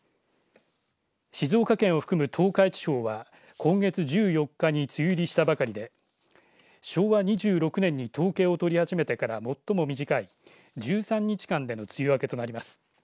静岡県を含む東海地方は今月１４日に梅雨入りしたばかりで昭和２６年に統計を取り始めてから最も短い１３日間での梅雨明けとなります。